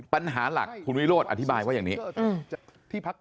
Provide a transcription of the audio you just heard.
ปัญหาหลักคุณวิโรธอธิบายว่าอย่างนี้